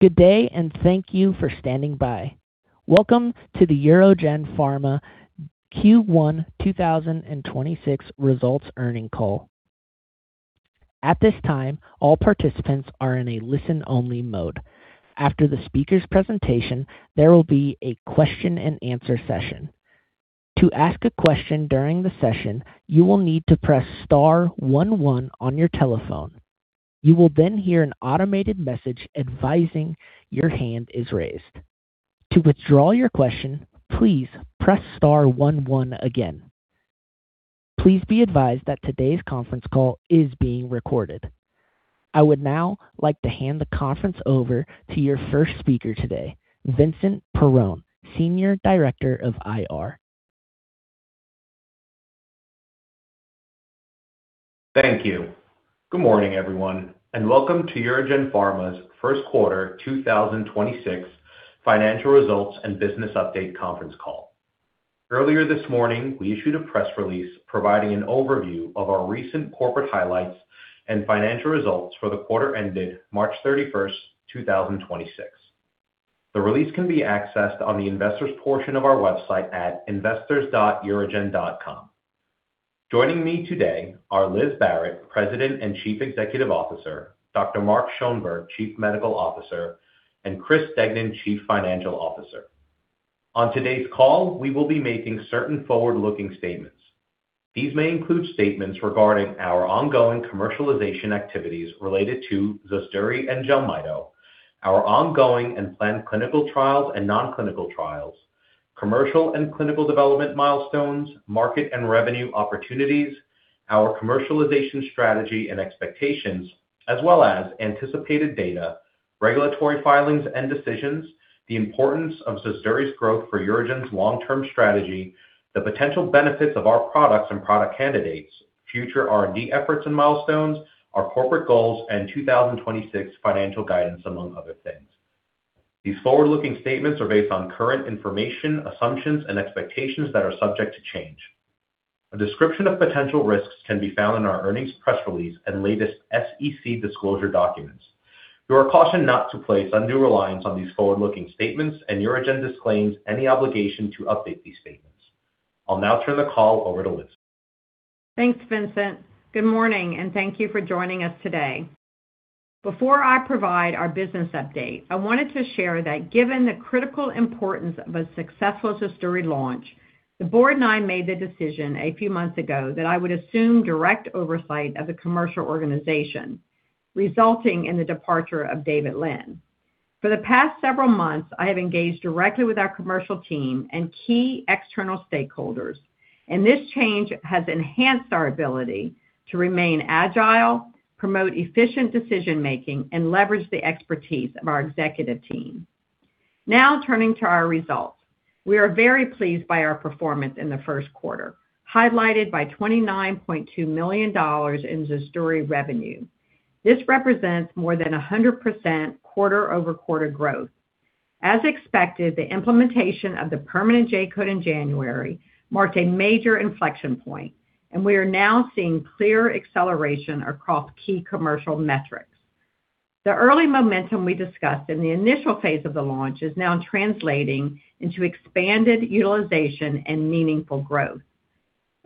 Good day. Thank you for standing by. Welcome to the UroGen Pharma Q1 2026 results earnings call. At this time, all participants are in a listen-only mode. After the speaker's presentation, there will be a question-and-answer session. To ask a question during the session, you will need to press star one one on your telephone. You will hear an automated message advising your hand is raised. To withdraw your question, please press star one one again. Please be advised that today's conference call is being recorded. I would now like to hand the conference over to your first speaker today, Vincent Perrone, Senior Director of IR. Thank you. Good morning, everyone, and welcome to UroGen Pharma's first quarter 2026 financial results and business update conference call. Earlier this morning, we issued a press release providing an overview of our recent corporate highlights and financial results for the quarter ended March 31, 2026. The release can be accessed on the investors portion of our website at investors.urogen.com. Joining me today are Liz Barrett, President and Chief Executive Officer; Dr. Mark Schoenberg, Chief Medical Officer; and Chris Degnan, Chief Financial Officer. On today's call, we will be making certain forward-looking statements. These may include statements regarding our ongoing commercialization activities related to ZUSDURI and JELMYTO, our ongoing and planned clinical trials and non-clinical trials, commercial and clinical development milestones, market and revenue opportunities, our commercialization strategy and expectations, as well as anticipated data, regulatory filings and decisions, the importance of ZUSDURI's growth for UroGen's long-term strategy, the potential benefits of our products and product candidates, future R&D efforts and milestones, our corporate goals and 2026 financial guidance, among other things. These forward-looking statements are based on current information, assumptions and expectations that are subject to change. A description of potential risks can be found in our earnings press release and latest SEC disclosure documents. You are cautioned not to place undue reliance on these forward-looking statements, and UroGen disclaims any obligation to update these statements. I'll now turn the call over to Liz. Thanks, Vincent. Good morning, thank you for joining us today. Before I provide our business update, I wanted to share that given the critical importance of a successful ZUSDURI launch, the board and I made the decision a few months ago that I would assume direct oversight of the commercial organization, resulting in the departure of David Lynn. For the past several months, I have engaged directly with our commercial team and key external stakeholders, and this change has enhanced our ability to remain agile, promote efficient decision-making, and leverage the expertise of our executive team. Now turning to our results. We are very pleased by our performance in the first quarter, highlighted by $29.2 million in ZUSDURI revenue. This represents more than 100% quarter-over-quarter growth. As expected, the implementation of the permanent J-code in January marked a major inflection point. We are now seeing clear acceleration across key commercial metrics. The early momentum we discussed in the initial phase of the launch is now translating into expanded utilization and meaningful growth.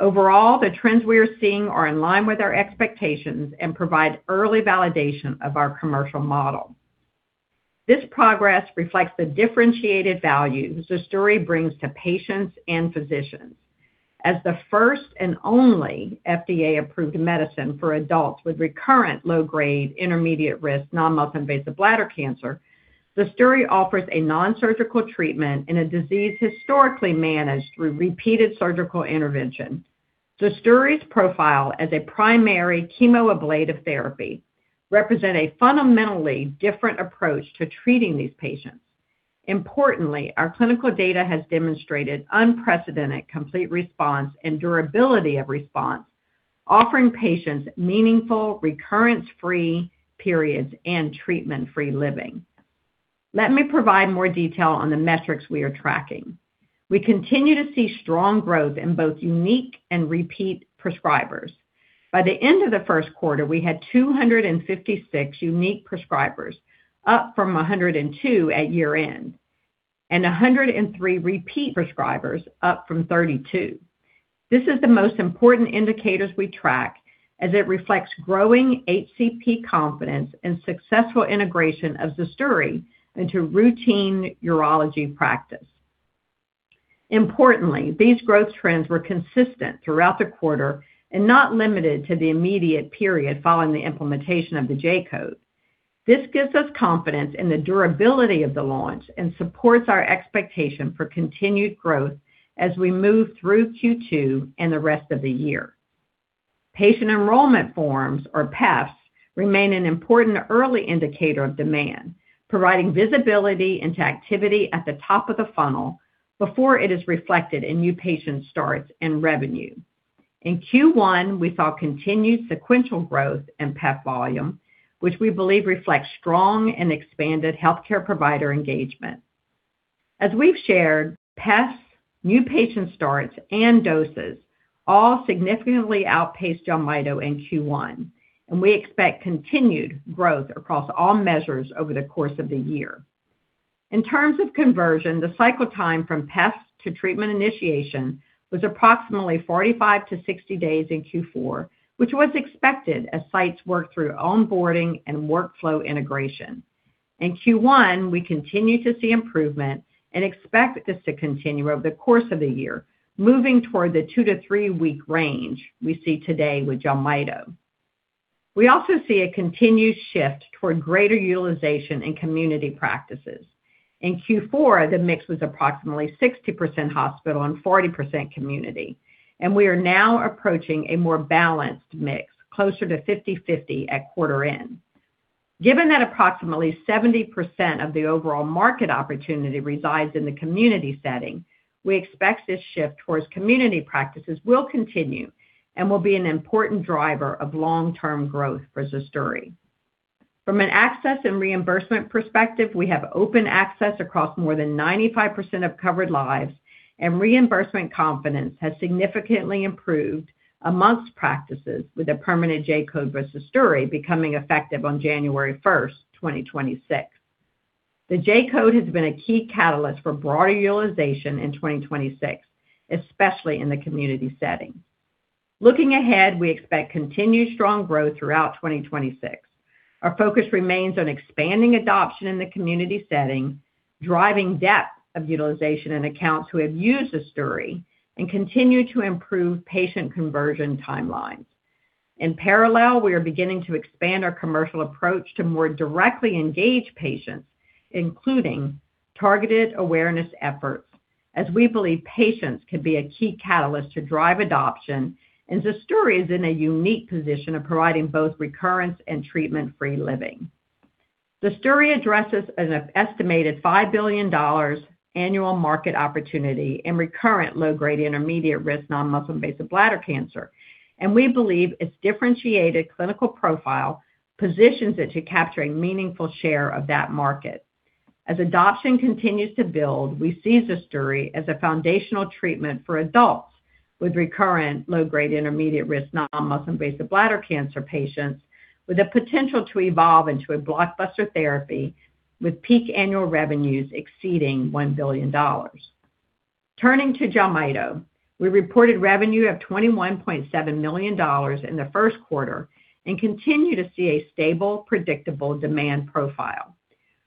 Overall, the trends we are seeing are in line with our expectations and provide early validation of our commercial model. This progress reflects the differentiated value ZUSDURI brings to patients and physicians. As the first and only FDA-approved medicine for adults with recurrent low-grade intermediate-risk non-muscle invasive bladder cancer, ZUSDURI offers a non-surgical treatment in a disease historically managed through repeated surgical intervention. ZUSDURI's profile as a primary chemoablative therapy represent a fundamentally different approach to treating these patients. Importantly, our clinical data has demonstrated unprecedented complete response and durability of response, offering patients meaningful recurrence-free periods and treatment-free living. Let me provide more detail on the metrics we are tracking. We continue to see strong growth in both unique and repeat prescribers. By the end of the first quarter, we had 256 unique prescribers, up from 102 at year-end, and 103 repeat prescribers, up from 32. This is the most important indicators we track as it reflects growing HCP confidence and successful integration of ZUSDURI into routine urology practice. Importantly, these growth trends were consistent throughout the quarter and not limited to the immediate period following the implementation of the J-code. This gives us confidence in the durability of the launch and supports our expectation for continued growth as we move through Q2 and the rest of the year. Patient enrollment forms, or PEFs, remain an important early indicator of demand, providing visibility into activity at the top of the funnel before it is reflected in new patient starts and revenue. In Q1, we saw continued sequential growth in PEF volume, which we believe reflects strong and expanded healthcare provider engagement. As we've shared, PEFs, new patient starts, and doses all significantly outpaced JELMYTO in Q1, and we expect continued growth across all measures over the course of the year. In terms of conversion, the cycle time from PEF to treatment initiation was approximately 45-60 days in Q4, which was expected as sites work through onboarding and workflow integration. In Q1, we continue to see improvement and expect this to continue over the course of the year, moving toward the two to three week range we see today with JELMYTO. We also see a continued shift toward greater utilization in community practices. In Q4, the mix was approximately 60% hospital and 40% community, and we are now approaching a more balanced mix, closer to 50/50 at quarter end. Given that approximately 70% of the overall market opportunity resides in the community setting, we expect this shift towards community practices will continue and will be an important driver of long-term growth for ZUSDURI. From an access and reimbursement perspective, we have open access across more than 95% of covered lives, and reimbursement confidence has significantly improved amongst practices with a permanent J-code versus ZUSDURI becoming effective on January 1st, 2026. The J-code has been a key catalyst for broader utilization in 2026, especially in the community setting. Looking ahead, we expect continued strong growth throughout 2026. Our focus remains on expanding adoption in the community setting, driving depth of utilization in accounts who have used ZUSDURI, and continue to improve patient conversion timelines. In parallel, we are beginning to expand our commercial approach to more directly engage patients, including targeted awareness efforts, as we believe patients can be a key catalyst to drive adoption, and ZUSDURI is in a unique position of providing both recurrence and treatment-free living. ZUSDURI addresses an estimated $5 billion annual market opportunity in recurrent low-grade intermediate-risk non-muscle invasive bladder cancer, and we believe its differentiated clinical profile positions it to capture a meaningful share of that market. As adoption continues to build, we see ZUSDURI as a foundational treatment for adults with recurrent low-grade intermediate-risk non-muscle invasive bladder cancer patients with the potential to evolve into a blockbuster therapy with peak annual revenues exceeding $1 billion. Turning to JELMYTO, we reported revenue of $21.7 million in the first quarter and continue to see a stable, predictable demand profile.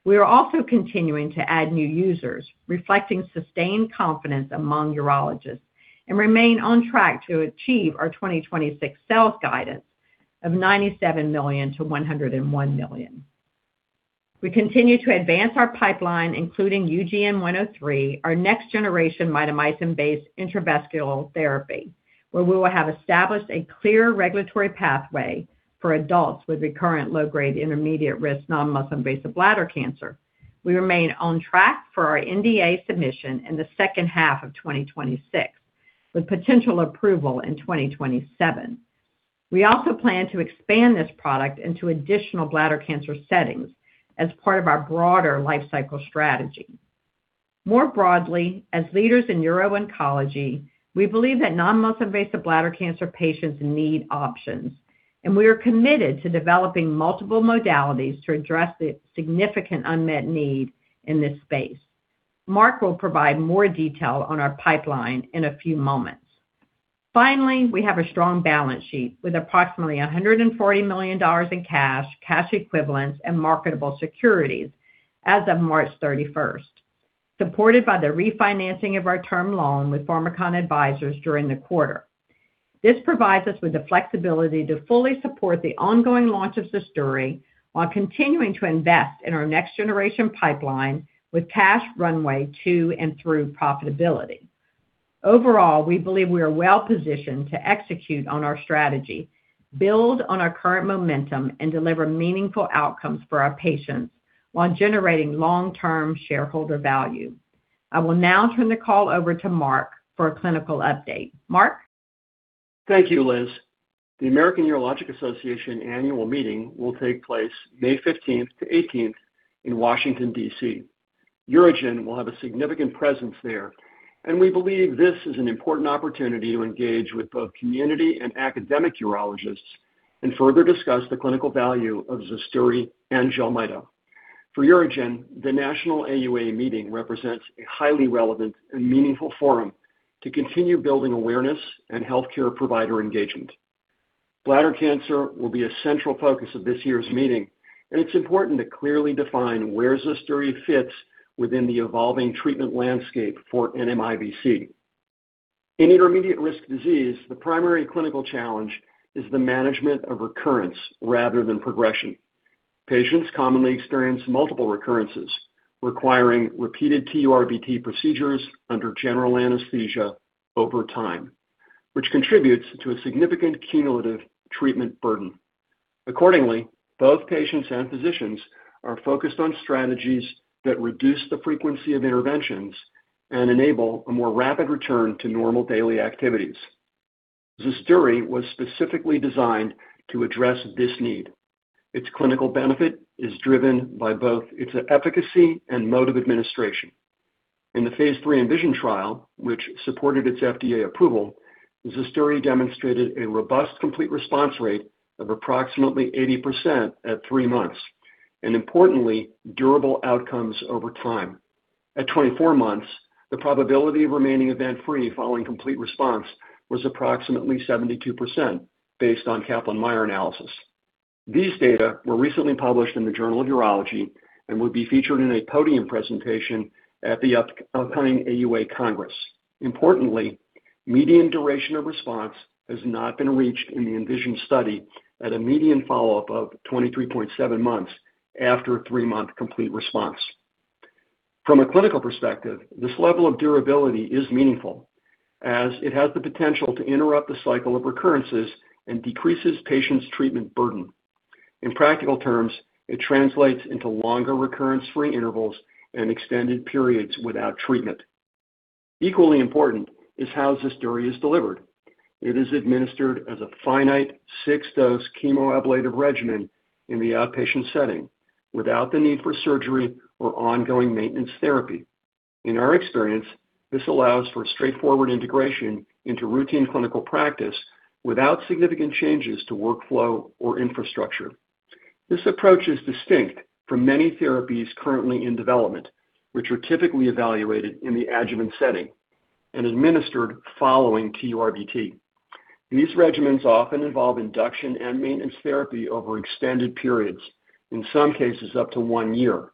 We are also continuing to add new users, reflecting sustained confidence among urologists and remain on track to achieve our 2026 sales guidance of $97 million-$101 million. We continue to advance our pipeline, including UGN-103, our next-generation mitomycin-based intravesical therapy, where we will have established a clear regulatory pathway for adults with recurrent low-grade intermediate-risk non-muscle invasive bladder cancer. We remain on track for our NDA submission in the second half of 2026, with potential approval in 2027. We also plan to expand this product into additional bladder cancer settings as part of our broader lifecycle strategy. More broadly, as leaders in uro-oncology, we believe that non-muscle invasive bladder cancer patients need options, and we are committed to developing multiple modalities to address the significant unmet need in this space. Mark will provide more detail on our pipeline in a few moments. Finally, we have a strong balance sheet with approximately $140 million in cash equivalents, and marketable securities as of March 31st, supported by the refinancing of our term loan with Pharmakon Advisors during the quarter. This provides us with the flexibility to fully support the ongoing launch of ZUSDURI while continuing to invest in our next-generation pipeline with cash runway to and through profitability. Overall, we believe we are well-positioned to execute on our strategy, build on our current momentum, and deliver meaningful outcomes for our patients while generating long-term shareholder value. I will now turn the call over to Mark for a clinical update. Mark? Thank you, Liz. The American Urological Association annual meeting will take place May 15th to 18th in Washington, D.C. UroGen will have a significant presence there, and we believe this is an important opportunity to engage with both community and academic urologists and further discuss the clinical value of ZUSDURI and JELMYTO. For UroGen, the national AUA meeting represents a highly relevant and meaningful forum to continue building awareness and healthcare provider engagement. Bladder cancer will be a central focus of this year's meeting, and it's important to clearly define where ZUSDURI fits within the evolving treatment landscape for NMIBC. In intermediate-risk disease, the primary clinical challenge is the management of recurrence rather than progression. Patients commonly experience multiple recurrences, requiring repeated TURBT procedures under general anesthesia over time, which contributes to a significant cumulative treatment burden. Accordingly, both patients and physicians are focused on strategies that reduce the frequency of interventions and enable a more rapid return to normal daily activities. ZUSDURI was specifically designed to address this need. Its clinical benefit is driven by both its efficacy and mode of administration. In the phase III ENVISION trial, which supported its FDA approval, ZUSDURI demonstrated a robust complete response rate of approximately 80% at 3 months, and importantly, durable outcomes over time. At 24 months, the probability of remaining event-free following complete response was approximately 72% based on Kaplan-Meier analysis. These data were recently published in The Journal of Urology and will be featured in a podium presentation at the upcoming AUA Congress. Importantly, median duration of response has not been reached in the ENVISION study at a median follow-up of 23.7 months after a three-month complete response. From a clinical perspective, this level of durability is meaningful as it has the potential to interrupt the cycle of recurrences and decreases patients' treatment burden. In practical terms, it translates into longer recurrence-free intervals and extended periods without treatment. Equally important is how ZUSDURI is delivered. It is administered as a finite six-dose chemoablative regimen in the outpatient setting without the need for surgery or ongoing maintenance therapy. In our experience, this allows for straightforward integration into routine clinical practice without significant changes to workflow or infrastructure. This approach is distinct from many therapies currently in development, which are typically evaluated in the adjuvant setting and administered following TURBT. These regimens often involve induction and maintenance therapy over extended periods, in some cases up to one year.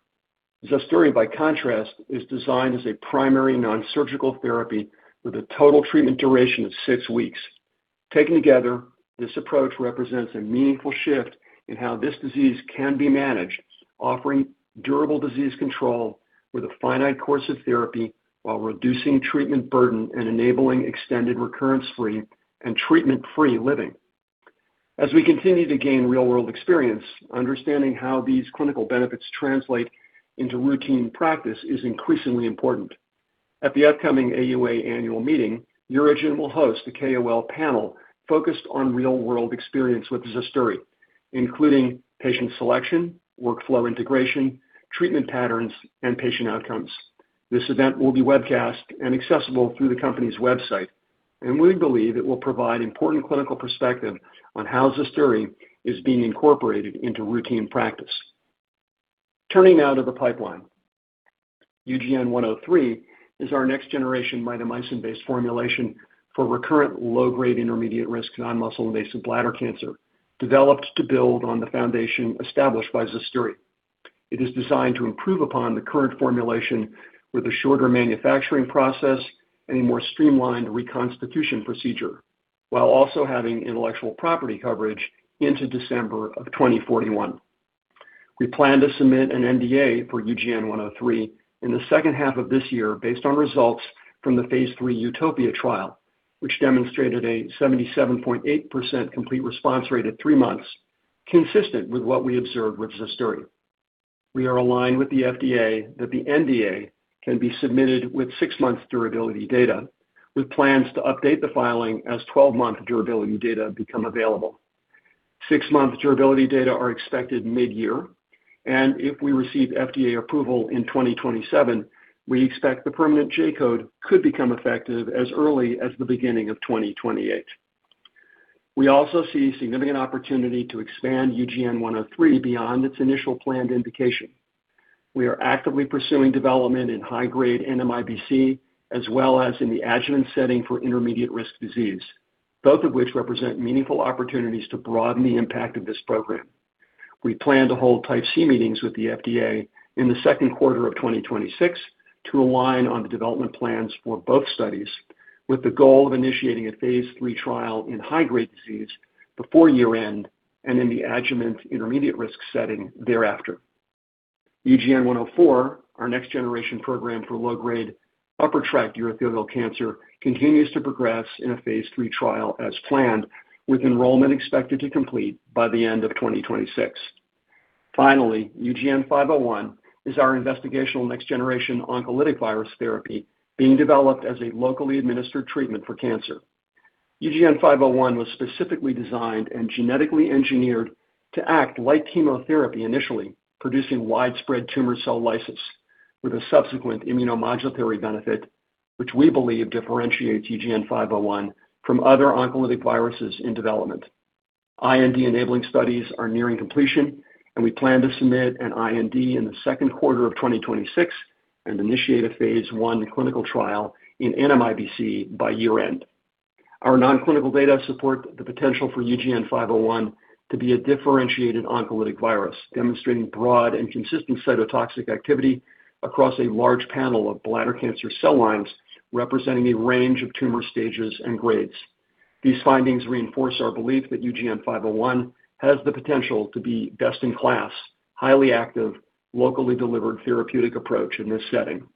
ZUSDURI, by contrast, is designed as a primary nonsurgical therapy with a total treatment duration of six weeks. Taken together, this approach represents a meaningful shift in how this disease can be managed, offering durable disease control with a finite course of therapy while reducing treatment burden and enabling extended recurrence-free and treatment-free living. As we continue to gain real-world experience, understanding how these clinical benefits translate into routine practice is increasingly important. At the upcoming AUA annual meeting, UroGen will host a KOL panel focused on real-world experience with ZUSDURI, including patient selection, workflow integration, treatment patterns, and patient outcomes. This event will be webcast and accessible through the company's website, and we believe it will provide important clinical perspective on how ZUSDURI is being incorporated into routine practice. Turning now to the pipeline. UGN-103 is our next-generation mitomycin-based formulation for recurrent low-grade intermediate-risk non-muscle invasive bladder cancer, developed to build on the foundation established by ZUSDURI. It is designed to improve upon the current formulation with a shorter manufacturing process and a more streamlined reconstitution procedure, while also having intellectual property coverage into December of 2041. We plan to submit an NDA for UGN-103 in the second half of this year based on results from the phase III UTOPIA trial, which demonstrated a 77.8% complete response rate at three months, consistent with what we observed with ZUSDURI. We are aligned with the FDA that the NDA can be submitted with six-month durability data, with plans to update the filing as 12-month durability data become available. Six-month durability data are expected mid-year, and if we receive FDA approval in 2027, we expect the permanent J-code could become effective as early as the beginning of 2028. We also see significant opportunity to expand UGN-103 beyond its initial planned indication. We are actively pursuing development in high-grade NMIBC, as well as in the adjuvant setting for intermediate-risk disease, both of which represent meaningful opportunities to broaden the impact of this program. We plan to hold Type C meetings with the FDA in the second quarter of 2026 to align on the development plans for both studies, with the goal of initiating a phase III trial in high-grade disease before year-end and in the adjuvant intermediate-risk setting thereafter. UGN-104, our next-generation program for low-grade upper tract urothelial cancer, continues to progress in a phase III trial as planned, with enrollment expected to complete by the end of 2026. Finally, UGN-501 is our investigational next-generation oncolytic virus therapy being developed as a locally administered treatment for cancer. UGN-501 was specifically designed and genetically engineered to act like chemotherapy initially, producing widespread tumor cell lysis with a subsequent immunomodulatory benefit, which we believe differentiates UGN-501 from other oncolytic viruses in development. We plan to submit an IND in the second quarter of 2026 and initiate a phase I clinical trial in NMIBC by year-end. Our nonclinical data support the potential for UGN-501 to be a differentiated oncolytic virus, demonstrating broad and consistent cytotoxic activity across a large panel of bladder cancer cell lines representing a range of tumor stages and grades. These findings reinforce our belief that UGN-501 has the potential to be best-in-class, highly active, locally delivered therapeutic approach in this setting.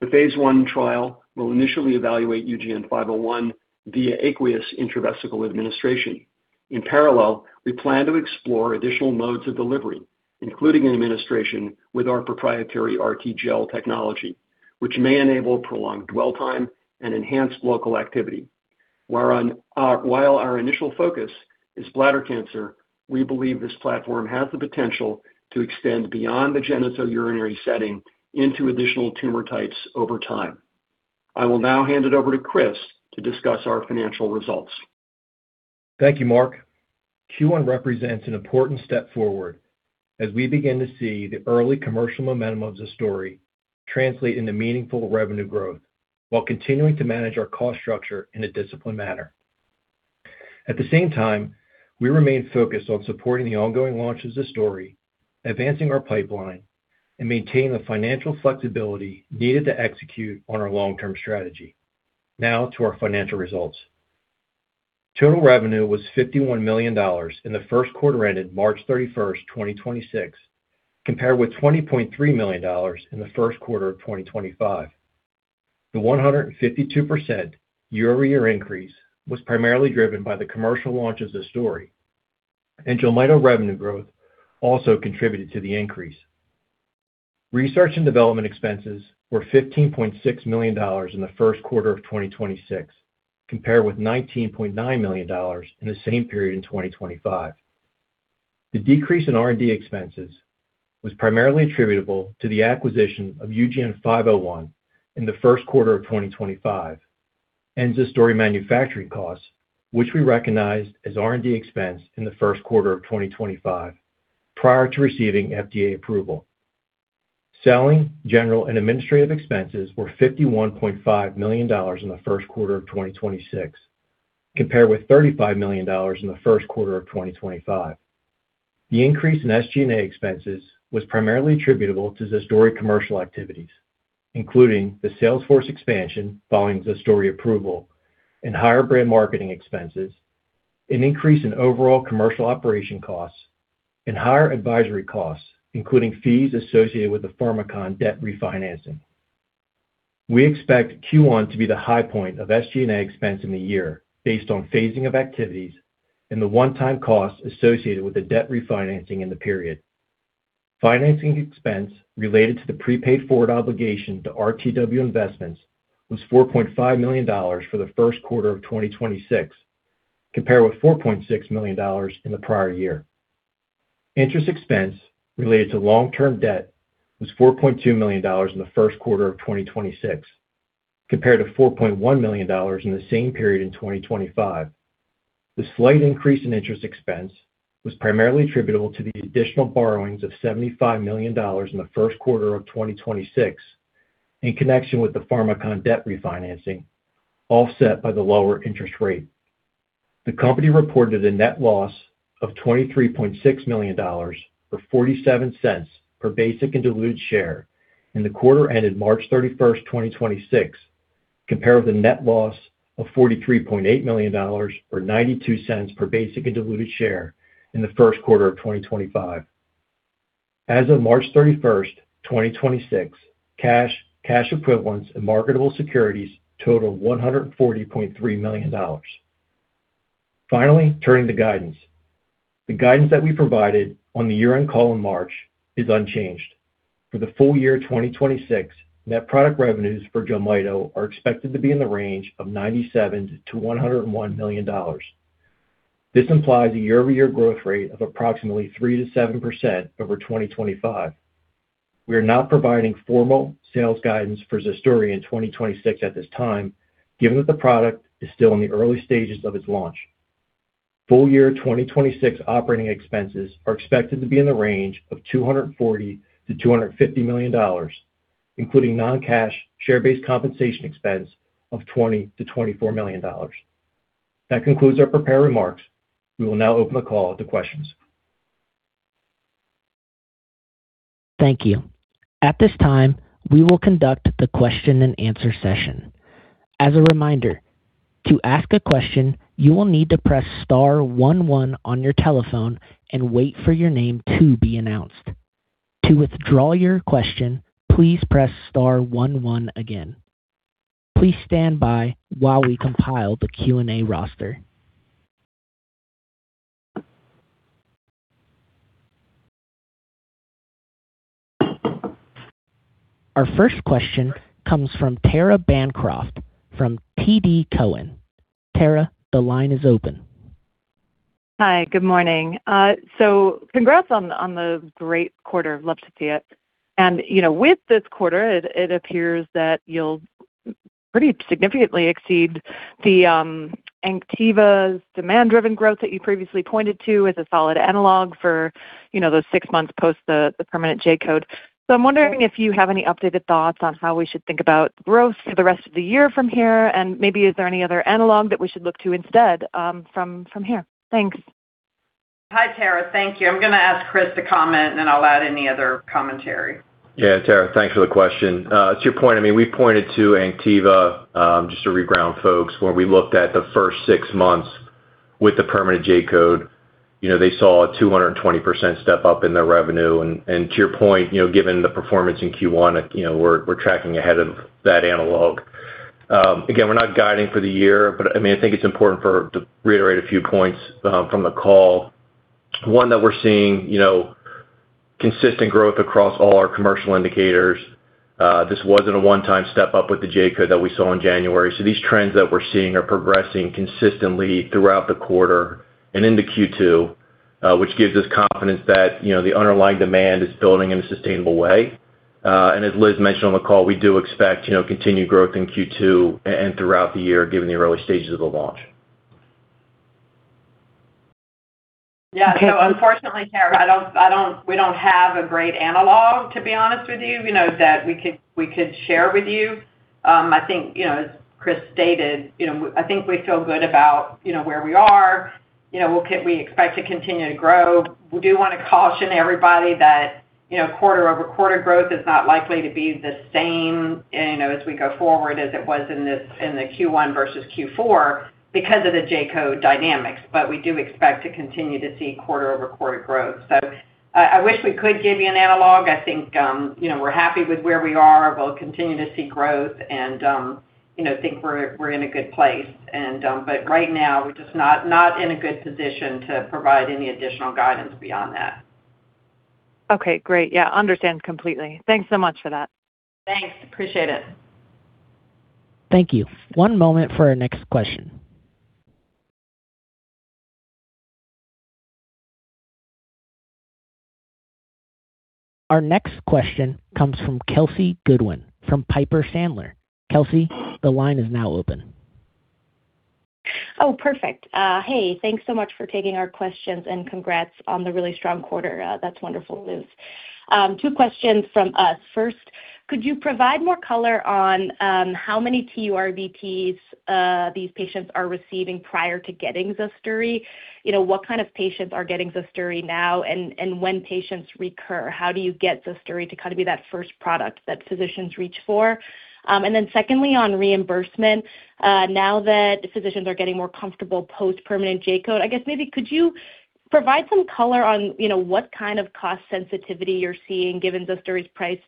The phase I trial will initially evaluate UGN-501 via aqueous intravesical administration. In parallel, we plan to explore additional modes of delivery, including an administration with our proprietary RTGel technology, which may enable prolonged dwell time and enhanced local activity. While our initial focus is bladder cancer, we believe this platform has the potential to extend beyond the genitourinary setting into additional tumor types over time. I will now hand it over to Chris to discuss our financial results. Thank you, Mark. Q1 represents an important step forward as we begin to see the early commercial momentum of ZUSDURI translate into meaningful revenue growth while continuing to manage our cost structure in a disciplined manner. At the same time, we remain focused on supporting the ongoing launch of ZUSDURI, advancing our pipeline, and maintaining the financial flexibility needed to execute on our long-term strategy. Now to our financial results. Total revenue was $51 million in the first quarter ended March 31, 2026, compared with $20.3 million in the first quarter of 2025. The 152% year-over-year increase was primarily driven by the commercial launch of ZUSDURI, and JELMYTO revenue growth also contributed to the increase. Research and development expenses were $15.6 million in the first quarter of 2026, compared with $19.9 million in the same period in 2025. The decrease in R&D expenses was primarily attributable to the acquisition of UGN-501 in the first quarter of 2025 and ZUSDURI manufacturing costs, which we recognized as R&D expense in the first quarter of 2025 prior to receiving FDA approval. Selling, general and administrative expenses were $51.5 million in the first quarter of 2026, compared with $35 million in the first quarter of 2025. The increase in SG&A expenses was primarily attributable to ZUSDURI commercial activities, including the sales force expansion following ZUSDURI approval and higher brand marketing expenses, an increase in overall commercial operation costs and higher advisory costs, including fees associated with the Pharmakon debt refinancing. We expect Q1 to be the high point of SG&A expense in the year based on phasing of activities and the one-time costs associated with the debt refinancing in the period. Financing expense related to the prepaid forward obligation to RTW Investments was $4.5 million for the first quarter of 2026, compared with $4.6 million in the prior year. Interest expense related to long-term debt was $4.2 million in the first quarter of 2026, compared to $4.1 million in the same period in 2025. The slight increase in interest expense was primarily attributable to the additional borrowings of $75 million in the first quarter of 2026 in connection with the Pharmakon debt refinancing, offset by the lower interest rate. The company reported a net loss of $23.6 million, or $0.47 per basic and diluted share in the quarter ended March 31, 2026, compared with a net loss of $43.8 million, or $0.92 per basic and diluted share in the first quarter of 2025. As of March 31st, 2026, cash equivalents and marketable securities totaled $140.3 million. Finally, turning to guidance. The guidance that we provided on the year-end call in March is unchanged. For the full year 2026, net product revenues for JELMYTO are expected to be in the range of $97 million-$101 million. This implies a year-over-year growth rate of approximately 3%-7% over 2025. We are not providing formal sales guidance for ZUSDURI in 2026 at this time, given that the product is still in the early stages of its launch. Full year 2026 operating expenses are expected to be in the range of $240 million-$250 million, including non-cash share-based compensation expense of $20 million-$24 million. That concludes our prepared remarks. We will now open the call to questions. Thank you. At this time, we will conduct the question and answer session. As a reminder, to ask a question, you will need to press star one one on your telephone and wait for your name to be announced. To withdraw your question, please press star one one again. Please stand by while we compile the Q&A roster. Our first question comes from Tara Bancroft from TD Cowen. Tara, the line is open. Hi. Good morning. Congrats on the great quarter. Love to see it. You know, with this quarter, it appears that you'll pretty significantly exceed the ADSTILADRIN's demand-driven growth that you previously pointed to as a solid analog for, you know, those six months post the permanent J-code. I'm wondering if you have any updated thoughts on how we should think about growth for the rest of the year from here. Maybe is there any other analog that we should look to instead from here? Thanks. Hi, Tara. Thank you. I'm gonna ask Chris to comment, and then I'll add any other commentary. Yeah, Tara, thanks for the question. To your point, I mean, we pointed to ADSTILADRIN, just to reground folks, where we looked at the first six months with the permanent J-code. You know, they saw a 220% step-up in their revenue. To your point, you know, given the performance in Q1, you know, we're tracking ahead of that analog. Again, we're not guiding for the year, I mean, I think it's important to reiterate a few points from the call. One, that we're seeing, you know, consistent growth across all our commercial indicators. This wasn't a one-time step up with the J-code that we saw in January. These trends that we're seeing are progressing consistently throughout the quarter and into Q2, which gives us confidence that, you know, the underlying demand is building in a sustainable way. As Liz mentioned on the call, we do expect, you know, continued growth in Q2 and throughout the year, given the early stages of the launch. Yeah. Unfortunately, Tara, we don't have a great analog, to be honest with you know, that we could, we could share with you. I think, you know, as Chris stated, you know, I think we feel good about, you know, where we are. You know, we expect to continue to grow. We do wanna caution everybody that, you know, quarter-over-quarter growth is not likely to be the same, you know, as we go forward as it was in the Q1 versus Q4 because of the J-code dynamics. We do expect to continue to see quarter-over-quarter growth. I wish we could give you an analog. I think, you know, we're happy with where we are. We'll continue to see growth and, you know, think we're in a good place. Right now we're just not in a good position to provide any additional guidance beyond that. Okay, great. Yeah, understand completely. Thanks so much for that. Thanks. Appreciate it. Thank you. One moment for our next question. Our next question comes from Kelsey Goodwin from Piper Sandler. Kelsey, the line is now open. Perfect. Hey, thanks so much for taking our questions, and congrats on the really strong quarter. That's wonderful news. Two questions from us. First, could you provide more color on how many TURBTs these patients are receiving prior to getting ZUSDURI? You know, what kind of patients are getting ZUSDURI now and when patients recur? How do you get ZUSDURI to kind of be that first product that physicians reach for? Secondly, on reimbursement, now that physicians are getting more comfortable post-permanent J-code, I guess maybe could you provide some color on, you know, what kind of cost sensitivity you're seeing given ZUSDURI's priced,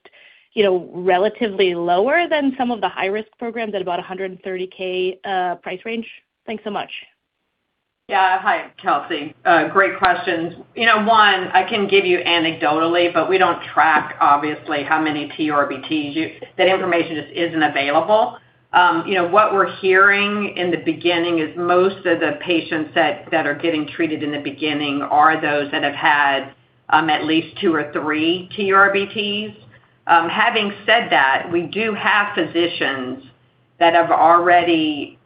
you know, relatively lower than some of the high-risk programs at about a $130, 000 price range? Thanks so much. Yeah. Hi, Kelsey. Great questions. You know, one, I can give you anecdotally, but we don't track obviously how many TURBTs. That information just isn't available. You know, what we're hearing in the beginning is most of the patients that are getting treated in the beginning are those that have had at least two or three TURBTs. Having said that, we do have physicians that have already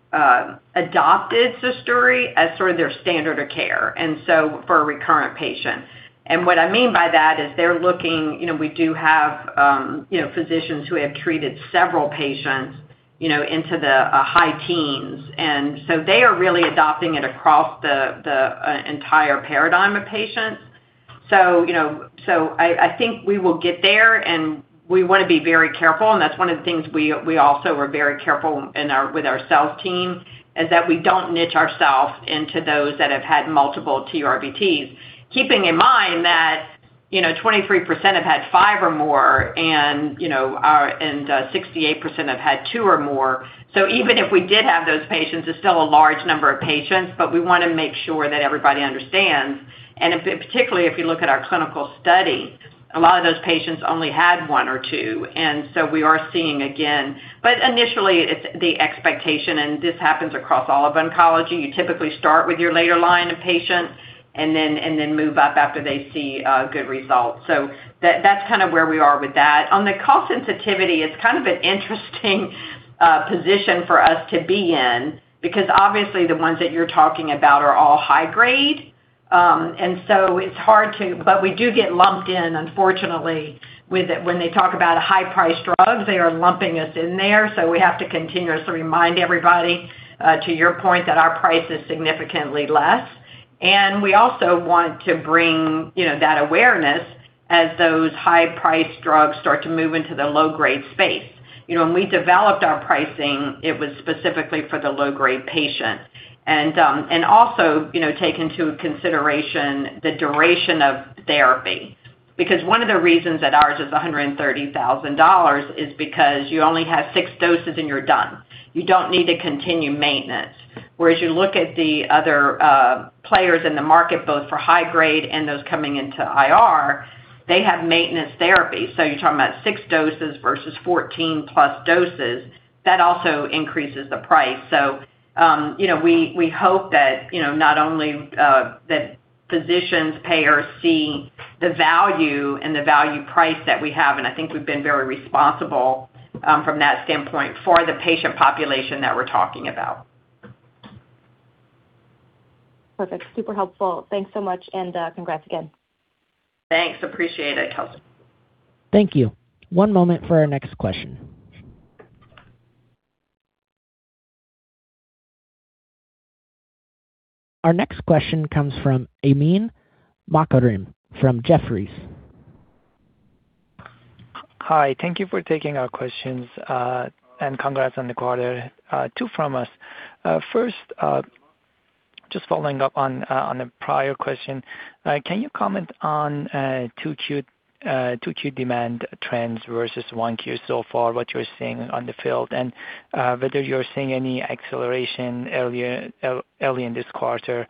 adopted ZUSDURI as sort of their standard of care, for a recurrent patient. What I mean by that is they're looking, you know, we do have physicians who have treated several patients, you know, into the high teens. They are really adopting it across the entire paradigm of patients. You know, I think we will get there and we wanna be very careful. That's one of the things we also were very careful with our sales team, is that we don't niche ourselves into those that have had multiple TURBTs. Keeping in mind that, you know, 23% have had five or more and 68% have had two or more. Even if we did have those patients, it's still a large number of patients, but we wanna make sure that everybody understands. Particularly if you look at our clinical study, a lot of those patients only had one or two, we are seeing again. Initially it's the expectation, and this happens across all of oncology. You typically start with your later line of patients and then move up after they see good results. That, that's kind of where we are with that. On the cost sensitivity, it's kind of an interesting position for us to be in because obviously the ones that you're talking about are all high-grade. We do get lumped in unfortunately with the-- when they talk about a high-priced drug, they are lumping us in there, so we have to continuously remind everybody, to your point, that our price is significantly less. We also want to bring, you know, that awareness as those high-priced drugs start to move into the low-grade space. You know, when we developed our pricing, it was specifically for the low-grade patients. Also, you know, take into consideration the duration of therapy. Because one of the reasons that ours is $130,000 is because you only have six doses and you're done. You don't need to continue maintenance. Whereas you look at the other players in the market, both for high-grade and those coming into IR, they have maintenance therapy. You're talking about six doses versus 14+ doses. That also increases the price. You know, we hope that, you know, not only that physicians, payers see the value and the value price that we have, and I think we've been very responsible from that standpoint for the patient population that we're talking about. Perfect. Super helpful. Thanks so much, and congrats again. Thanks. Appreciate it, Kelsey. Thank you. One moment for our next question. Our next question comes from Ami Fadia from Jefferies. Hi. Thank you for taking our questions, and congrats on the quarter. Two from us. First, just following up on a prior question. Can you comment on 2Q demand trends versus 1Q so far, what you're seeing on the field? Whether you're seeing any acceleration early in this quarter.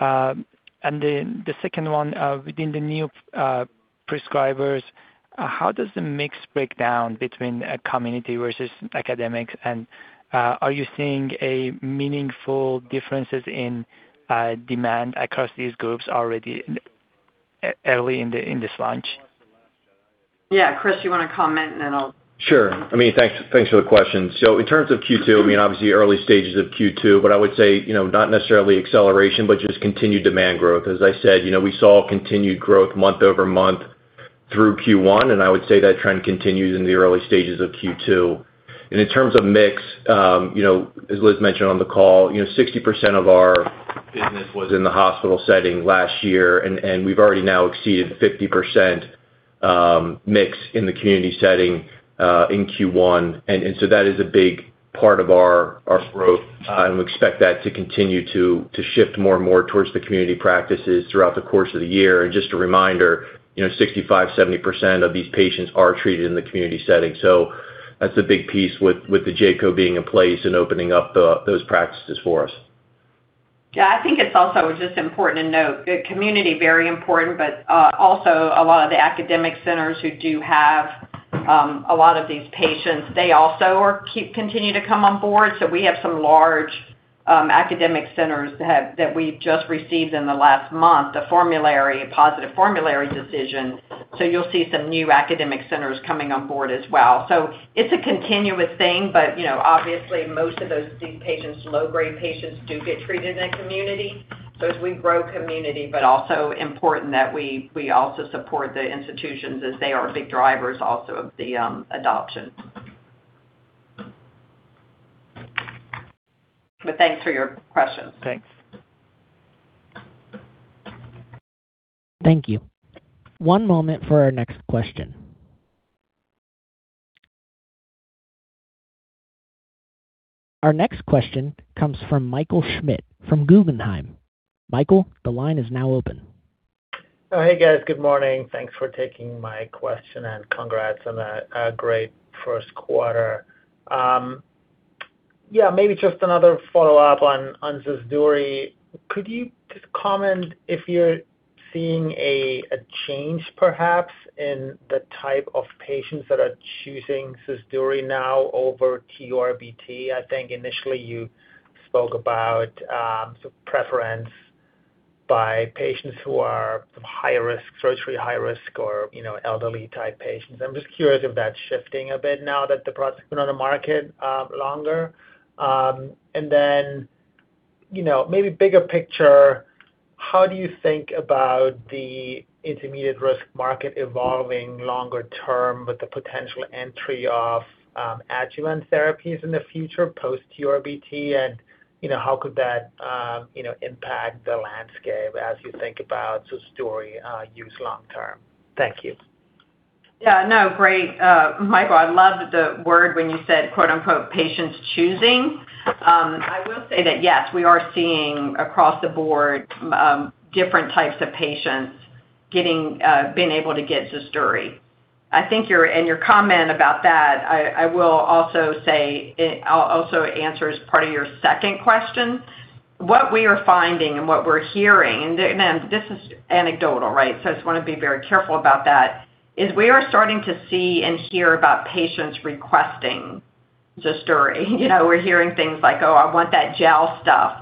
The second one, within the new prescribers, how does the mix break down between community versus academic? Are you seeing a meaningful differences in demand across these groups already early in this launch? Yeah. Chris, you wanna comment and then I'll- Sure. I mean, thanks for the question. In terms of Q2, I mean, obviously early stages of Q2, but I would say, you know, not necessarily acceleration, but just continued demand growth. As I said, you know, we saw continued growth month-over-month through Q1, I would say that trend continues into the early stages of Q2. In terms of mix, you know, as Liz mentioned on the call, you know, 60% of our business was in the hospital setting last year, and we've already now exceeded 50% mix in the community setting in Q1. That is a big part of our growth. We expect that to continue to shift more and more towards the community practices throughout the course of the year. Just a reminder, you know, 65%, 70% of these patients are treated in the community setting. That's a big piece with the J-code being in place and opening up those practices for us. I think it's also just important to note that community, very important, but also a lot of the academic centers who do have a lot of these patients, they also continue to come on board. We have some large academic centers that we've just received in the last month, the formulary, positive formulary decision. You'll see some new academic centers coming on board as well. It's a continuous thing, but, you know, obviously, most of these patients, low-grade patients do get treated in a community. As we grow community, but also important that we also support the institutions as they are big drivers also of the adoption. Thanks for your questions. Thanks. Thank you. One moment for our next question. Our next question comes from Michael Schmidt from Guggenheim. Michael, the line is now open. Oh, hey guys. Good morning. Thanks for taking my question. Congrats on a great first quarter. Yeah, maybe just another follow-up on ZUSDURI. Could you just comment if you're seeing a change perhaps in the type of patients that are choosing ZUSDURI now over TURBT? I think initially you spoke about sort of preference by patients who are of high risk, surgery high risk or, you know, elderly type patients. I'm just curious if that's shifting a bit now that the product's been on the market longer. You know, maybe bigger picture, how do you think about the intermediate risk market evolving longer term with the potential entry of adjuvant therapies in the future post-TURBT? You know, how could that, you know, impact the landscape as you think about ZUSDURI use long term? Thank you. Yeah. No, great. Michael, I love the word when you said, quote-unquote, "patients choosing." I will say that, yes, we are seeing across the board, different types of patients getting, being able to get ZUSDURI. I think your comment about that, I will also answer as part of your second question. What we are finding and what we're hearing, and this is anecdotal, right? I just wanna be very careful about that, is we are starting to see and hear about patients requesting ZUSDURI. You know, we're hearing things like, "Oh, I want that gel stuff."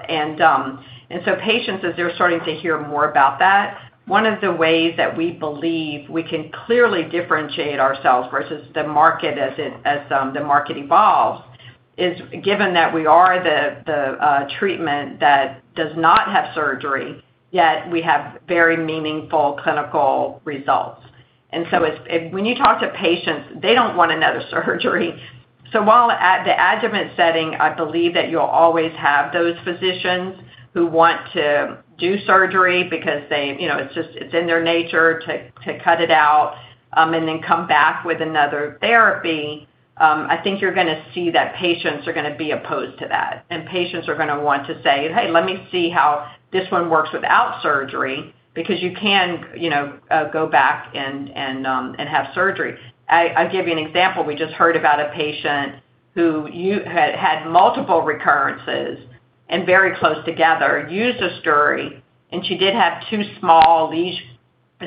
Patients, as they're starting to hear more about that, one of the ways that we believe we can clearly differentiate ourselves versus the market as the market evolves, is given that we are the treatment that does not have surgery, yet we have very meaningful clinical results. When you talk to patients, they don't want another surgery. At the adjuvant setting, I believe that you'll always have those physicians who want to do surgery because they, you know, it's just, it's in their nature to cut it out and then come back with another therapy. I think you're gonna see that patients are gonna be opposed to that, patients are gonna want to say, "Hey, let me see how this one works without surgery," because you can, you know, go back and have surgery. I'll give you an example. We just heard about a patient who had multiple recurrences and very close together, used ZUSDURI, and she did have two small lesions,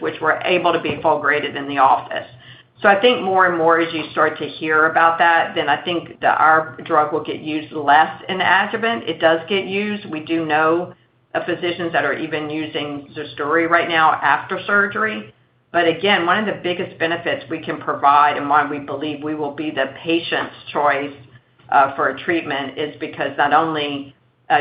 which were able to be fulgurated in the office. I think more and more as you start to hear about that, then I think our drug will get used less in adjuvant. It does get used. We do know of physicians that are even using ZUSDURI right now after surgery. Again, one of the biggest benefits we can provide and why we believe we will be the patient's choice for a treatment is because not only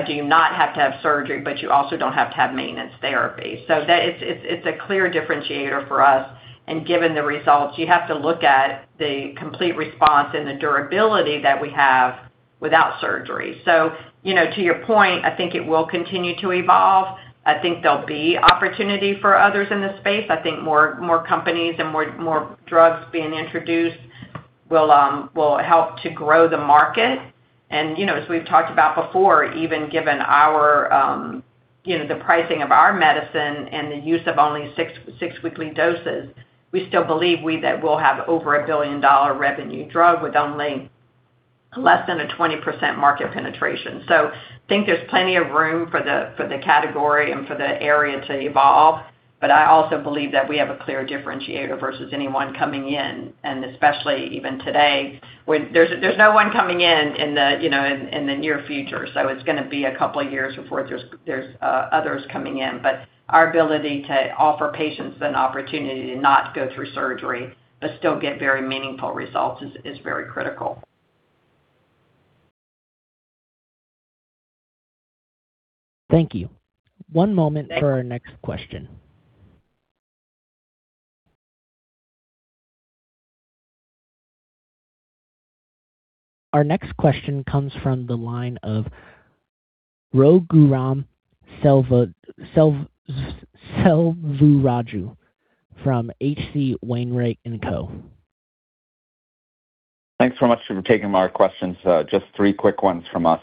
do you not have to have surgery, but you also don't have to have maintenance therapy. It's a clear differentiator for us. Given the results, you have to look at the complete response and the durability that we have without surgery. You know, to your point, I think it will continue to evolve. I think there'll be opportunity for others in this space. I think more companies and more drugs being introduced will help to grow the market. You know, as we've talked about before, even given our, you know, the pricing of our medicine and the use of only six weekly doses, we still believe that we'll have over a billion-dollar revenue drug with only less than a 20% market penetration. Think there's plenty of room for the category and for the area to evolve, but I also believe that we have a clear differentiator versus anyone coming in. Especially even today when there's no one coming in in the near future. It's gonna be a couple of years before there's others coming in. Our ability to offer patients an opportunity to not go through surgery but still get very meaningful results is very critical. Thank you. One moment for our next question. Our next question comes from the line of Raghuram Selvaraju from H.C. Wainwright & Co. Thanks so much for taking my questions. Just three quick ones from us.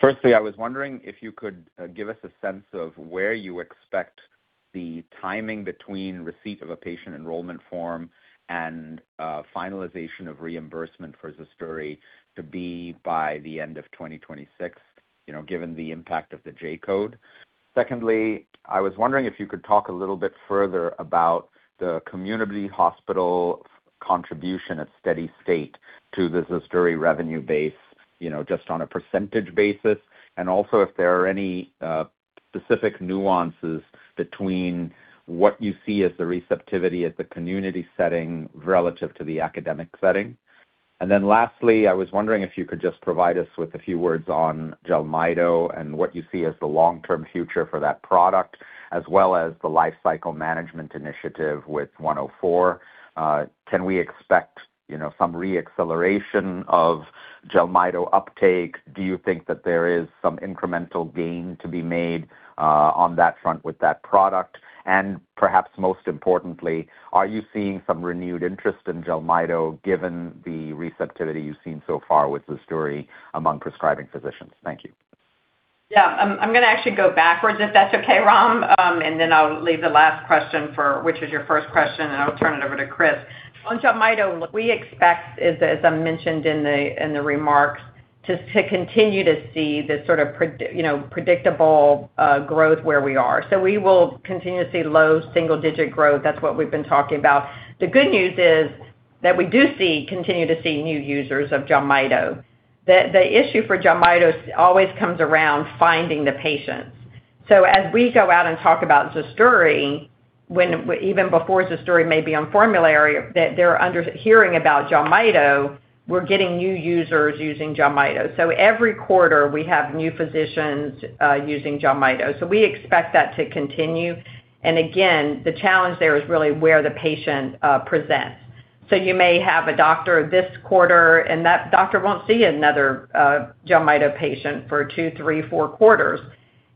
Firstly, I was wondering if you could give us a sense of where you expect the timing between receipt of a patient enrollment form and finalization of reimbursement for ZUSDURI to be by the end of 2026, you know, given the impact of the J-code. Secondly, I was wondering if you could talk a little bit further about the community hospital contribution at steady state to the ZUSDURI revenue base, you know, just on a percentage basis, and also if there are any specific nuances between what you see as the receptivity at the community setting relative to the academic setting. Lastly, I was wondering if you could just provide us with a few words on JELMYTO and what you see as the long-term future for that product, as well as the lifecycle management initiative with UGN-104. Can we expect, you know, some re-acceleration of JELMYTO uptake? Do you think that there is some incremental gain to be made on that front with that product? Perhaps most importantly, are you seeing some renewed interest in JELMYTO given the receptivity you've seen so far with ZUSDURI among prescribing physicians? Thank you. I'm gonna actually go backwards if that's okay, Ram, and then I'll leave the last question for which is your first question, and I'll turn it over to Chris. On JELMYTO, what we expect is, as I mentioned in the remarks, to continue to see this sort of you know, predictable growth where we are. We will continue to see low single-digit growth. That's what we've been talking about. The good news is that we do see, continue to see new users of JELMYTO. The issue for JELMYTO always comes around finding the patients. As we go out and talk about ZUSDURI, when even before ZUSDURI may be on formulary, that they're under hearing about JELMYTO, we're getting new users using JELMYTO. Every quarter, we have new physicians using JELMYTO. We expect that to continue. Again, the challenge there is really where the patient presents. You may have a doctor this quarter, and that doctor won't see another JELMYTO patient for two, three, four quarters.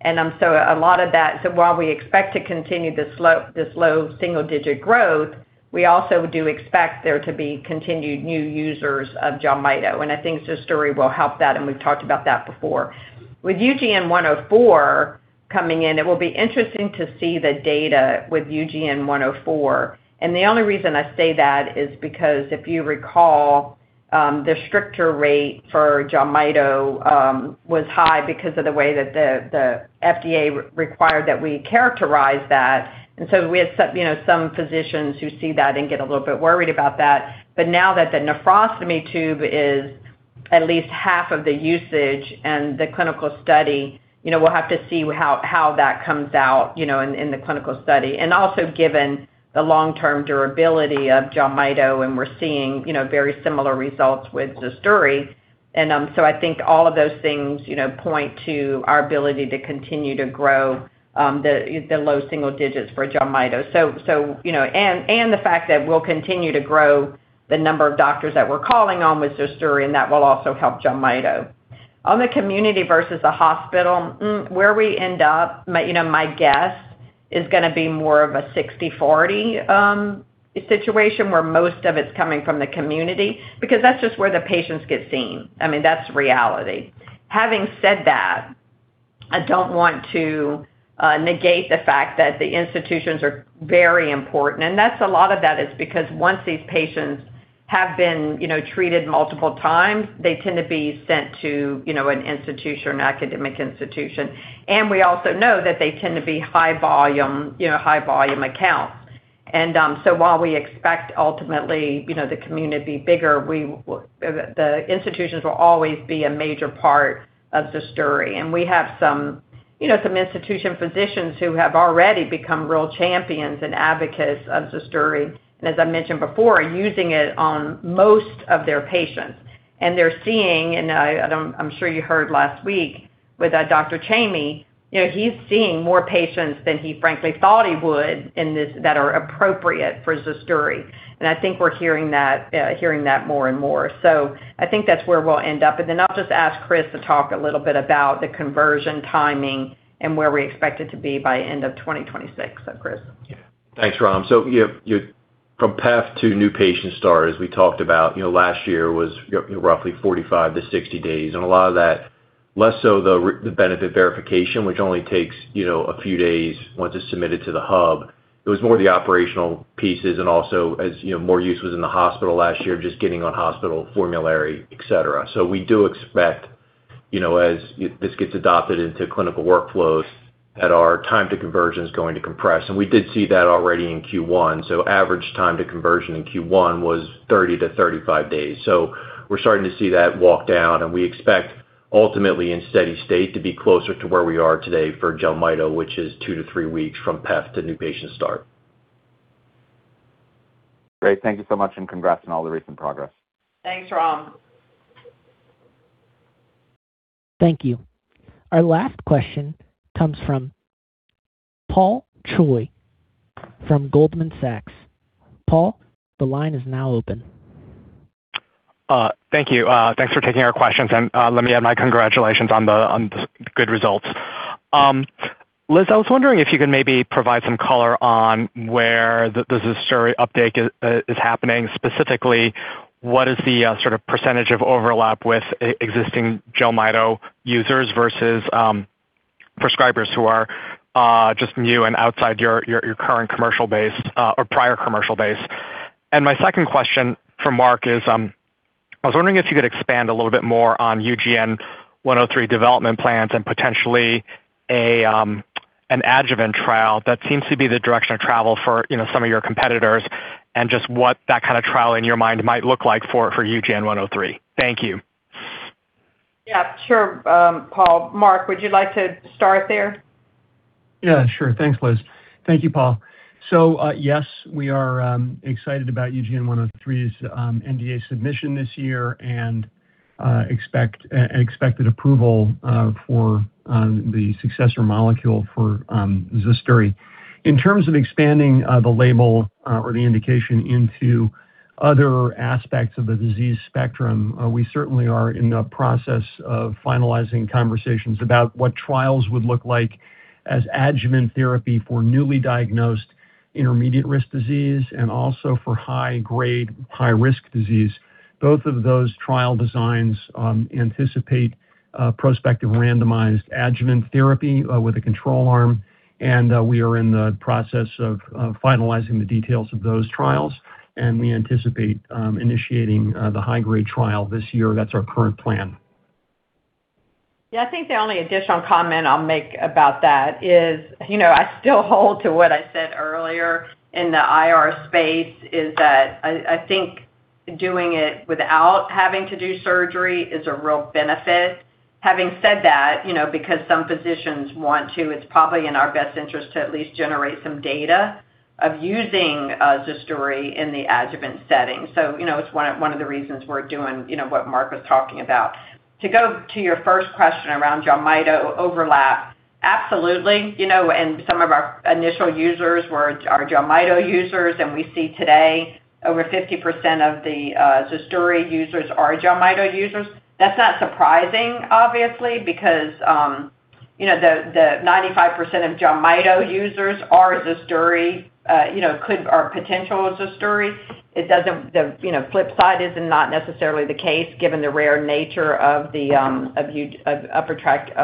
While we expect to continue this low single-digit growth, we also do expect there to be continued new users of JELMYTO, and I think ZUSDURI will help that, and we've talked about that before. With UGN-104 coming in, it will be interesting to see the data with UGN-104. The only reason I say that is because if you recall, thestricture rate for JELMYTO was high because of the way that the FDA re-required that we characterize that. We had some, you know, some physicians who see that and get a little bit worried about that. Now that the nephrostomy tube is at least half of the usage and the clinical study, you know, we'll have to see how that comes out, you know, in the clinical study. Also given the long-term durability of JELMYTO, and we're seeing, you know, very similar results with ZUSDURI. I think all of those things, you know, point to our ability to continue to grow the low single digits for JELMYTO. You know, the fact that we'll continue to grow the number of doctors that we're calling on with ZUSDURI, and that will also help JELMYTO. On the community versus the hospital, where we end up, you know, my guess is gonna be more of a 60/40 situation where most of it's coming from the community because that's just where the patients get seen. I mean, that's reality. Having said that, I don't want to negate the fact that the institutions are very important, and that's a lot of that is because once these patients have been, you know, treated multiple times, they tend to be sent to, you know, an institution or an academic institution. We also know that they tend to be high volume, you know, high volume accounts. While we expect ultimately, you know, the community bigger, we the institutions will always be a major part of ZUSDURI. We have some, you know, some institution physicians who have already become real champions and advocates of ZUSDURI, and as I mentioned before, using it on most of their patients. They're seeing, I'm sure you heard last week with Dr. Chamie, you know, he's seeing more patients than he frankly thought he would that are appropriate for ZUSDURI. I think we're hearing that more and more. I think that's where we'll end up. I'll just ask Chris to talk a little bit about the conversion timing and where we expect it to be by end of 2026. Chris. Yeah. Thanks, Ram. You from path to new patient start, as we talked about, you know, last year was roughly 45 to 60 days, and a lot of that. Less so the benefit verification, which only takes, you know, a few days once it's submitted to the hub. It was more the operational pieces and also as, you know, more use was in the hospital last year, just getting on hospital formulary, etc. We do expect, you know, as this gets adopted into clinical workflows that our time to conversion is going to compress. We did see that already in Q1. Average time to conversion in Q1 was 30-35 days. We're starting to see that walk down, and we expect ultimately in steady state to be closer to where we are today for JELMYTO, which is two to three weeks from path to new patient start. Great. Thank you so much, and congrats on all the recent progress. Thanks, Ram. Thank you. Our last question comes from Paul Choi from Goldman Sachs. Paul, the line is now open. Thank you. Thanks for taking our questions. Let me add my congratulations on the good results. Liz, I was wondering if you could maybe provide some color on where the ZUSDURI update is happening. Specifically, what is the sort of percentage of overlap with existing JELMYTO users versus prescribers who are just new and outside your current commercial base or prior commercial base? My second question for Mark is, I was wondering if you could expand a little bit more on UGN-103 development plans and potentially an adjuvant trial that seems to be the direction of travel for, you know, some of your competitors, and just what that kind of trial in your mind might look like for UGN-103. Thank you. Yeah, sure, Paul. Mark, would you like to start there? Yeah, sure. Thanks, Liz. Thank you, Paul. Yes, we are excited about UGN-103's NDA submission this year and expect expected approval for the successor molecule for ZUSDURI. In terms of expanding the label or the indication into other aspects of the disease spectrum, we certainly are in the process of finalizing conversations about what trials would look like as adjuvant therapy for newly diagnosed intermediate risk disease and also for high grade, high risk disease. Both of those trial designs anticipate prospective randomized adjuvant therapy with a control arm. We are in the process of finalizing the details of those trials, and we anticipate initiating the high grade trial this year. That's our current plan. Yeah. I think the only additional comment I'll make about that is, you know, I still hold to what I said earlier in the IR space, is that I think doing it without having to do surgery is a real benefit. Having said that, you know, because some physicians want to, it's probably in our best interest to at least generate some data of using ZUSDURI in the adjuvant setting. You know, it's one of the reasons we're doing, you know, what Mark was talking about. To go to your first question around JELMYTO overlap, absolutely. You know, some of our initial users are JELMYTO users, and we see today over 50% of the ZUSDURI users are JELMYTO users. That's not surprising, obviously, because, you know, the 95% of JELMYTO users are ZUSDURI, you know, Are potential ZUSDURI. The, you know, flip side isn't not necessarily the case given the rare nature of the, of upper tract,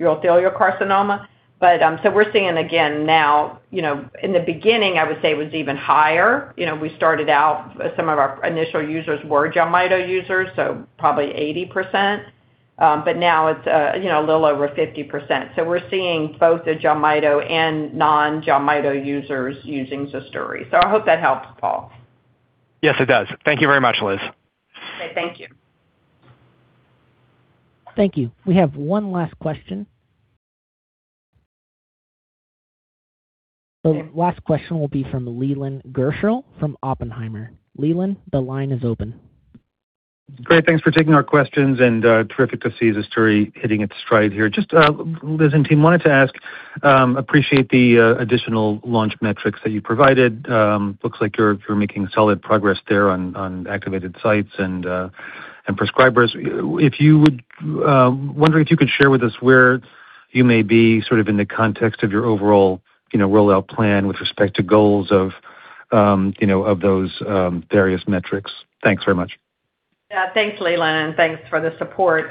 urothelial carcinoma. We're seeing again now, you know, in the beginning, I would say it was even higher. You know, we started out, some of our initial users were JELMYTO users, so probably 80%. Now it's, you know, a little over 50%. We're seeing both the JELMYTO and non-JELMYTO users using ZUSDURI. I hope that helps, Paul. Yes, it does. Thank you very much, Liz. Okay. Thank you. Thank you. We have one last question. The last question will be from Leland Gershell from Oppenheimer. Leland, the line is open. Great. Thanks for taking our questions, terrific to see ZUSDURI hitting its stride here. Just, Liz and team, wanted to ask, appreciate the additional launch metrics that you provided. Looks like you're making solid progress there on activated sites and prescribers. If you would, wondering if you could share with us where you may be sort of in the context of your overall, you know, rollout plan with respect to goals of, you know, of those various metrics. Thanks very much. Yeah. Thanks, Leland, and thanks for the support.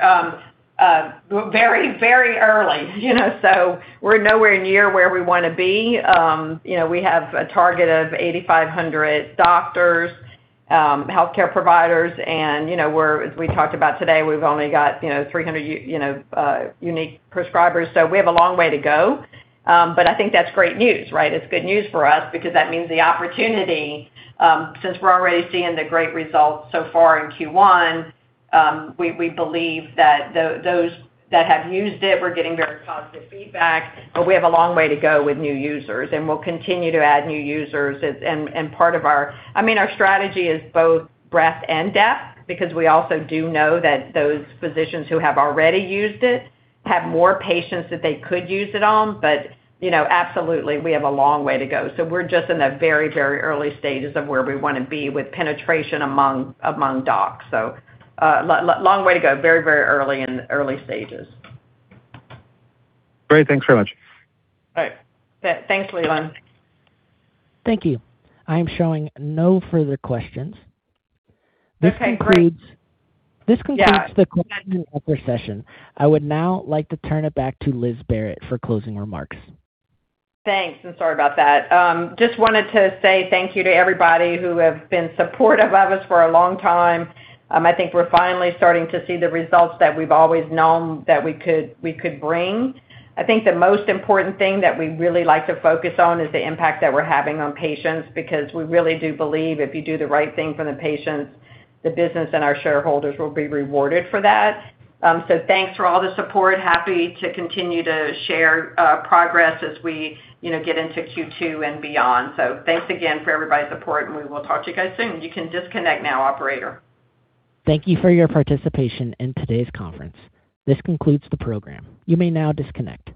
very, very early, you know, so we're nowhere near where we wanna be. you know, we have a target of 8,500 doctors, healthcare providers, and, you know, we're, as we talked about today, we've only got, you know, 300 unique prescribers, so we have a long way to go. I think that's great news, right? It's good news for us because that means the opportunity, since we're already seeing the great results so far in Q1, we believe that those that have used it, we're getting very positive feedback, but we have a long way to go with new users, and we'll continue to add new users. I mean, our strategy is both breadth and depth because we also do know that those physicians who have already used it have more patients that they could use it on. You know, absolutely we have a long way to go. We're just in the very early stages of where we wanna be with penetration among docs. Long way to go. Very early in the early stages. Great. Thanks very much. All right. Thanks, Leland. Thank you. I am showing no further questions. Okay, great. This concludes. Yeah. This concludes the question and answer session. I would now like to turn it back to Liz Barrett for closing remarks. Thanks, and sorry about that. Just wanted to say thank you to everybody who have been supportive of us for a long time. I think we're finally starting to see the results that we've always known that we could bring. I think the most important thing that we really like to focus on is the impact that we're having on patients, because we really do believe if you do the right thing for the patients, the business and our shareholders will be rewarded for that. Thanks for all the support. Happy to continue to share progress as we, you know, get into Q2 and beyond. Thanks again for everybody's support, and we will talk to you guys soon. You can disconnect now, operator. Thank you for your participation in today's conference. This concludes the program. You may now disconnect.